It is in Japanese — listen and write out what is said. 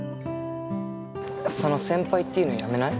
その先輩っていうのやめない？